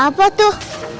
suara apa tuh